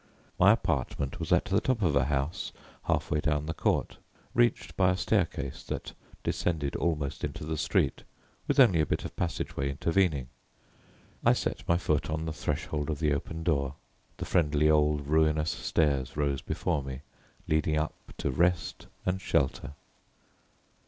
My apartment was at the top of a house, halfway down the court, reached by a staircase that descended almost into the street, with only a bit of passage way intervening, I set my foot on the threshold of the open door, the friendly old ruinous stairs rose before me, leading up to rest and shelter.